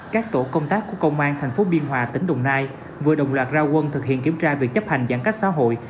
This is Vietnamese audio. các tổ công tác của công an tp biên hòa tỉnh đồng nai vừa đồng loạt ra quân thực hiện kiểm tra việc chấp hành giãn cách xã hội